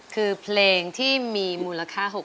คือเพลงที่มีมูลค่ามากกกกก